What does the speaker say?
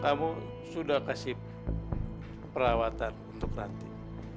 kamu sudah kasih perawatan untuk nanti